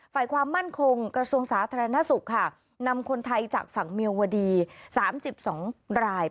ฝ่ายความมั่นคงกระทรวงสาธารณสุขค่ะนำคนไทยจากฝั่งเมียวดี๓๒ราย